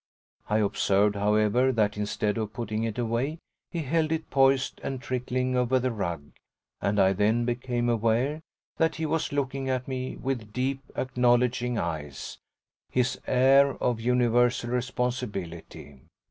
I observed however that instead of putting it away he held it poised and trickling over the rug, and I then became aware that he was looking at me with deep acknowledging eyes his air of universal responsibility.